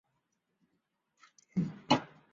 潘家园是北京市朝阳区的街道之一。